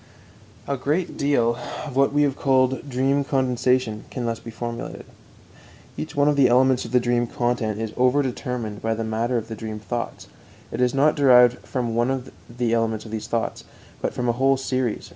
A great deal of what we have called "dream condensation" can be thus formulated. Each one of the elements of the dream content is overdetermined by the matter of the dream thoughts; it is not derived from one element of these thoughts, but from a whole series.